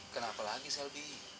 kenapa lagi selby